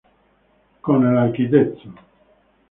Con el Arq.